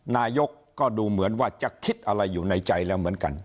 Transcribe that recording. นายกก็ดูเหมือนว่าจะคิดอะไรอยู่ในใจแล้วเหมือนกัน